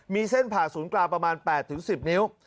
มีเส้นผ่าศูนย์กลางประมาณ๘๑๐นิ้ว